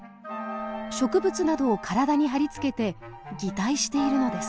植物などを体に張り付けて擬態しているのです。